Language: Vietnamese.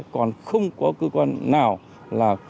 còn không có cơ quan nào là không có